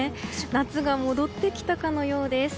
夏が戻ってきたかのようです。